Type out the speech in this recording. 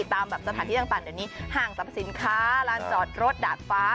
ตามสถานที่ต่างแบบห่างสัตว์สินค้าร้านจอดรถด่าดฟ้า